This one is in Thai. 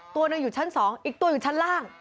ตัวหนึ่งอยู่ชั้น๒อีกตัวอยู่ชั้นล่าง